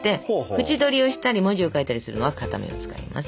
縁取りをしたり文字を描いたりするのは硬めを使います。